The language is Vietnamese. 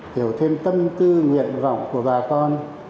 hiểu thêm tâm tư nguyện vọng của bà con